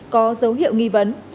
có dấu hiệu nghi vấn